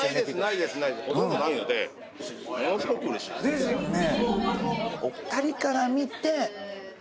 ですよね。